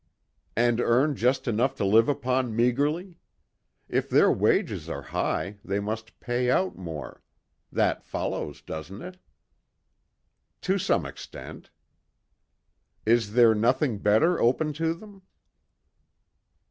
"And earn just enough to live upon meagrely? If their wages are high, they must pay out more. That follows, doesn't it?" "To some extent." "Is there nothing better open to them?"